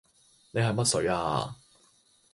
你係乜水啊